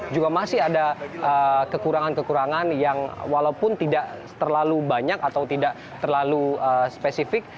juga masih ada kekurangan kekurangan yang walaupun tidak terlalu banyak atau tidak terlalu spesifik